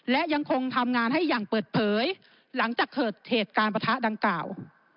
และยังคงทำงานให้อย่างเปิดเผยหลังจากเกิดเหตุการณ์ประทะดังกล่าว